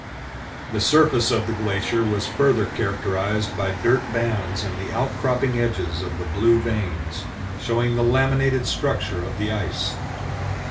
The surface of the glacier was further characterized by dirt bands and the outcropping edges of the blue veins, showing the laminated structure of the ice.